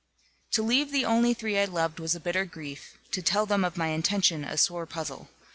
To leave the only three I loved was a bitter grief, to tell them of my intention, a sore puzzle.